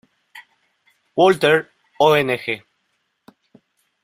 Walter Ong.